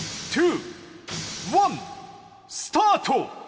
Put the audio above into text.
スタート。